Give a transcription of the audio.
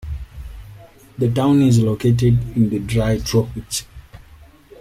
The town is located in the dry tropics.